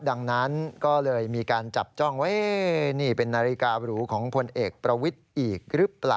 ดังนั้นก็เลยมีการจับจ้องว่านี่เป็นนาฬิการูของพลเอกประวิทย์อีกหรือเปล่า